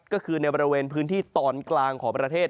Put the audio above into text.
ก็คือในบริเวณพื้นที่ตอนกลางของประเทศ